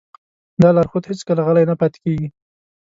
دا لارښود هېڅکله غلی نه پاتې کېږي.